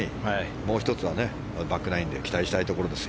もう１つはバックナインで期待したいところです。